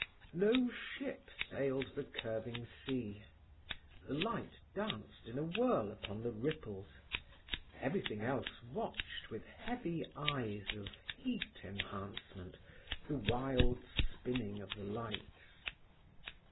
No ship sailed the curving sea. The light danced in a whirl upon the ripples. Everything else watched with heavy eyes of heat enhancement the wild spinning of the lights.